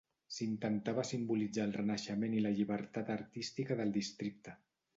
S'intentava simbolitzar el renaixement i la llibertat artística del districte.